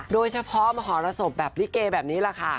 โดยเฉพาะมหรสมแบบลิเกแบบนี้แหละค่ะ